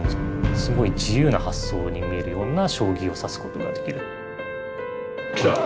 すごい自由な発想に見えるような将棋を指すことができる。